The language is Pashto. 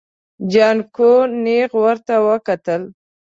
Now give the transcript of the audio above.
جانکو نيغ ورته وکتل.